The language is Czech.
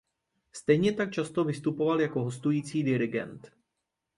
Stejně tak často vystupoval jako hostující dirigent.